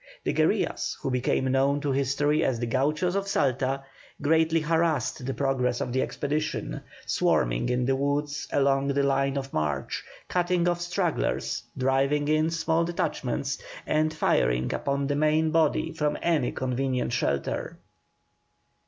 The guerillas, who became known to history as the GAUCHOS of Salta, greatly harassed the progress of the expedition, swarming in the woods along the line of march, cutting off stragglers, driving in small detachments, and firing upon the main body from any convenient shelter.